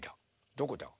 どこだ？